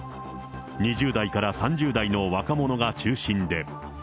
２０代から３０代の若者が中心で。